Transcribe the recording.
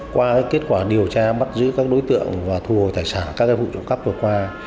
qua kết quả điều tra bắt giữ các đối tượng và thu hồi tài sản các vụ trộm cắp vừa qua